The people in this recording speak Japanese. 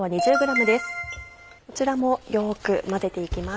こちらもよく混ぜて行きます。